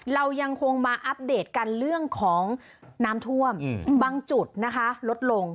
เรายังคงมาอัปเดตกันเรื่องของน้ำท่วมบางจุดนะคะลดลง